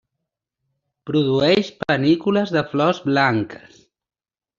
Produeix panícules de flors blanques.